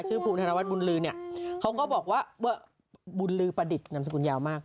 ภูมิธนวัฒบุญลือเนี่ยเขาก็บอกว่าบุญลือประดิษฐ์นำสกุลยาวมาก